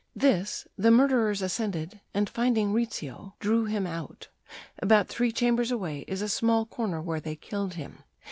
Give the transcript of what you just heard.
This the murderers ascended, and, finding Rizzio, ... drew him out; about three chambers away is a small corner where they killed him.